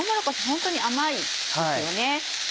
本当に甘いですよね。